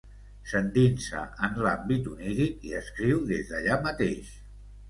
S'endinsa en l'àmbit oníric i escriu des d'allà mateix.